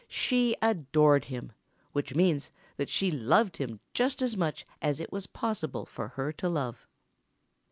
She adored him, which means that she loved him just as much as it was possible for her to love.